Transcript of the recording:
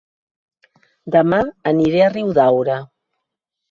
Dema aniré a Riudaura